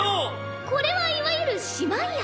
これはいわゆる姉妹愛。